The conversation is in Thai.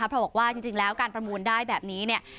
เพราะบอกว่าจริงแล้วการประมูลได้แบบนี้เนี่ย